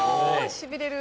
しびれる。